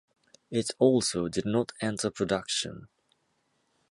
It also did not enter production.